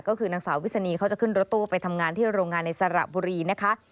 ก็คือนางสาววิศนีเขาจะขึ้นรถตู้ไปทำงานที่โรงงานในสระบุรีนะคะ